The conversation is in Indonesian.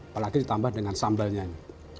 apalagi ditambah dengan sambalnya ini